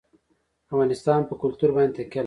افغانستان په کلتور باندې تکیه لري.